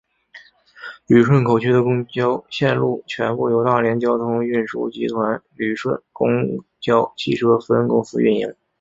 旅顺口区的公交线路全部由大连交通运输集团旅顺公交汽车分公司运营。